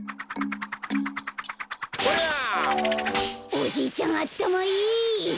おじいちゃんあったまいい！